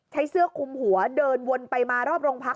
ใช้เสื้อคุมหัวเดินวนไปมารอบโรงพัก